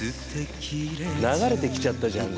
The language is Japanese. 流れてきちゃったじゃん